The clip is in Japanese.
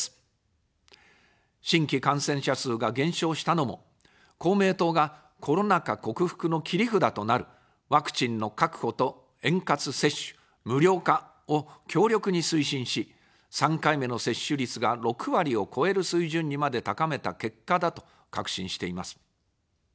新規感染者数が減少したのも、公明党がコロナ禍克服の切り札となるワクチンの確保と円滑接種、無料化を強力に推進し、３回目の接種率が６割を超える水準にまで高めた結果だと確信しています。